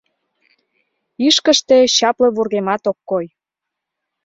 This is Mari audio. Ишкыште чапле вургемат ок кой.